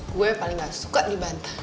gue paling gak suka dibantah